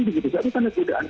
tidak ada tanda kebedaan